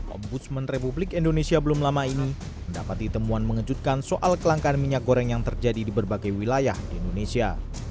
ombudsman republik indonesia belum lama ini mendapati temuan mengejutkan soal kelangkaan minyak goreng yang terjadi di berbagai wilayah di indonesia